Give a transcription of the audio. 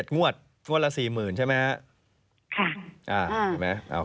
ก็ได้๗งวดงวดละ๔๐๐๐๐ใช่ไหมคะ